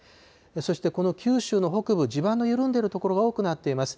そしてこの九州の北部、地盤の緩んでいる所が多くなっています。